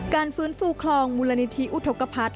การฟื้นฟูคลองมูลณิธิอุทกพัฒน์